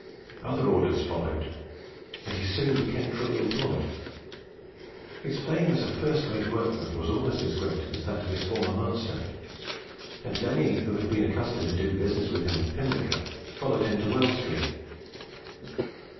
Other orders followed, and he soon became fully employed. His fame as a first rate workman was almost as great as that of his former master; and many who had been accustomed to do business with him at Pimlico followed him to Wells Street.